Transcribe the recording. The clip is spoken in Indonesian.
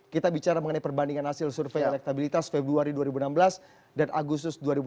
kita bicara mengenai perbandingan hasil survei elektabilitas februari dua ribu enam belas dan agustus dua ribu tujuh belas